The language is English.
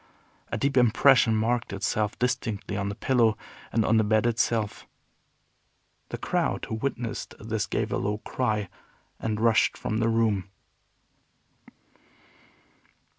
A deep impression marked itself distinctly on the pillow, and on the bed itself. The crowd who witnessed this gave a low cry, and rushed from the room.